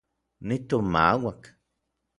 Nitomauak.